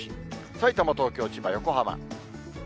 さいたま、東京、千葉、横浜。